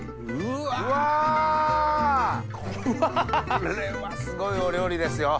これはすごいお料理ですよ。